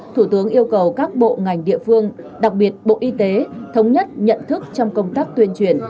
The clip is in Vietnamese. thủ tướng yêu cầu các bộ ngành địa phương đặc biệt bộ y tế thống nhất nhận thức trong công tác tuyên truyền